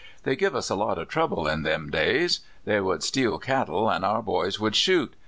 " They give us a lot of trouble in them days. They would steal cattle, an' our boys would shoot.